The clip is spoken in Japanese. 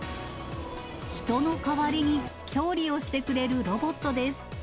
人の代わりに調理をしてくれるロボットです。